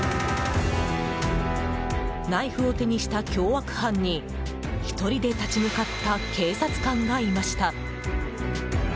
ナイフを手にした凶悪犯に１人で立ち向かった警察官がいました。